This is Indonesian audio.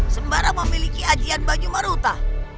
sembara memiliki ajiat banyu maruta